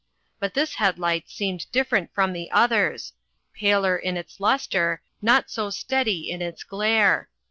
But this headlight seemed different from the others, paler in its luster, not so steady in its glare.